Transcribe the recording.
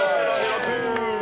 「６」！